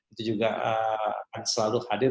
itu juga akan selalu hadir